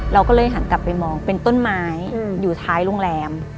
เราก็เลยหันกลับไปมองเป็นต้นไม้อยู่ท้ายโรงแรม